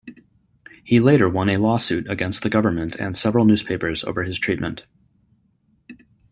He later won a lawsuit against the government and several newspapers over his treatment.